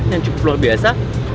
yang cukup luar biasa